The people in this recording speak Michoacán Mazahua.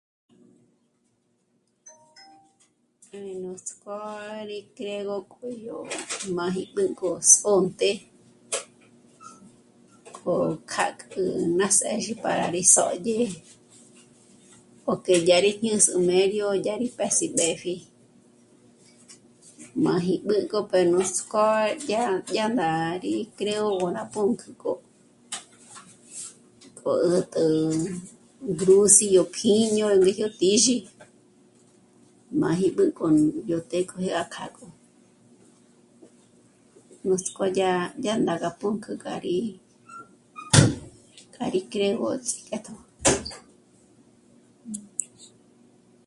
Nuts'k'ó rí krégó k'o yó máji b'ǘnk'o s'ônte k'o k'ák'ü ná së́dyi para rí sö́'dyë o ke dya rí ñe s'ü mério ya rì pjés'i b'épji máji b'ǘgob'e nuts'k'ó dyá... dyá ndá rí kréogo ná pǔnkjü k'o k'ǒtjo k'o 'ä̀t'ä ngrús'i yó pjíño ndi jyó tíxi máji b'ü k'on... yó të́'ë k'o dya kja kjo. Nuts'k'ó dya... dya ndá ga pǔnkjü k'a rì k'a rí krégo ts'ík'etjo